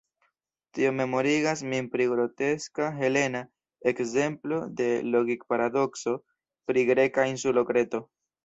Tio memorigas min pri groteska helena ekzemplo de logik-paradokso pri greka insulo Kreto.